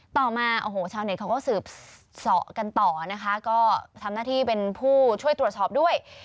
ต่อมาโอ้โหชาวเน็ตเขาก็สืบสอกันต่อนะคะก็ทำหน้าที่เป็นผู้ช่วยตรวจสอบด้วย